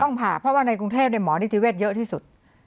ผ่าเพราะว่าในกรุงเทพหมอนิติเวศเยอะที่สุด